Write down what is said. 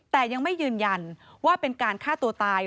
แต่ยังไม่ยืนยันว่าเป็นการฆ่าตัวตาย